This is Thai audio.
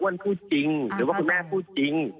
พูดจริงหรือว่าคุณแม่พูดจริง